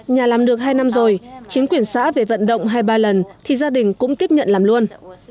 nhà làm được hai năm rồi chính quyền xã về vận động hai ba lần thì gia đình cũng tiếp nhận làm luôn